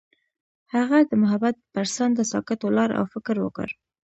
هغه د محبت پر څنډه ساکت ولاړ او فکر وکړ.